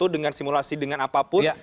dengan simulasi dengan apapun